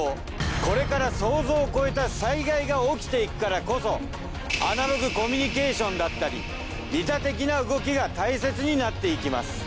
これから想像を超えた災害が起きていくからこそアナログコミュニケーションだったり利他的な動きが大切になっていきます。